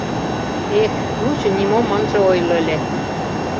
Эх, лучо нимом ынже ойло ыле!